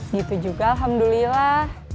gitu juga alhamdulillah